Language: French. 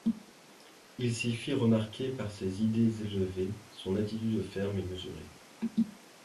Il s’y fit remarquer par ses idées élevées, son attitude ferme et mesurée.